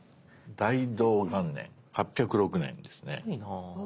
大同元年８０６年ですね。